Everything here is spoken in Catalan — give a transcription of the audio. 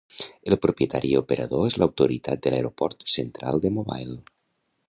El propietari i operador és l'autoritat de l'aeroport central de Mobile.